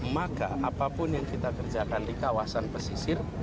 maka apapun yang kita kerjakan di kawasan pesisir